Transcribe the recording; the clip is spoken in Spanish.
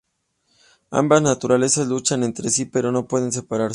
Ambas naturalezas luchan entre sí, pero no pueden separarse.